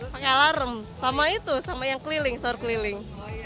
pakai alarm sama itu sama yang keliling sahur keliling